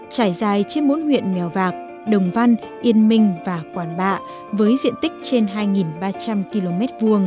trải dài trên bốn huyện mèo vạc đồng văn yên minh và quản bạ với diện tích trên hai ba trăm linh km hai